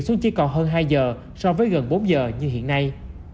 xuống chi cầu hơn hai giờ so với gần bốn giờ như hiện nay